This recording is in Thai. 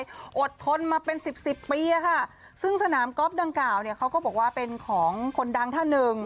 ยอดทนมาเป็นสิบสิบปีอ่ะค่ะซึ่งสนามกอล์ฟดังกล่าวเนี่ยเขาก็บอกว่าเป็นของคนดังท่านหนึ่ง